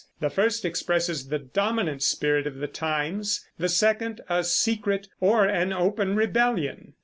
The first expresses the dominant spirit of the times; the second, a secret or an open rebellion.